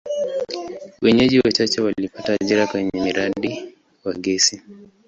Wenyeji wachache walipata ajira kwenye mradi wa gesi.